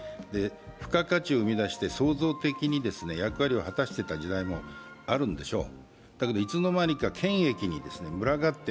付加価値を生み出して創造的に役割を果たしていた時代もあるんでしょう。